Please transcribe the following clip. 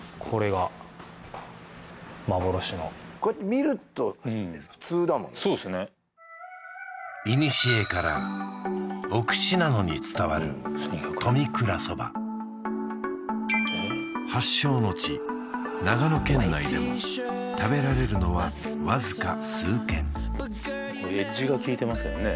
見ると普通だもんそうですねいにしえから奥信濃に伝わる富倉そば発祥の地長野県内でも食べられるのはわずか数軒エッジがきいてますよね